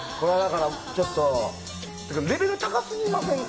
レベル高すぎませんか？